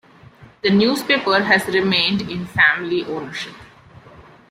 The newspaper has remained in family ownership.